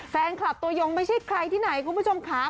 แฟนคลับตัวยงไม่ใช่ใครที่ไหนคุณผู้ชมค่ะ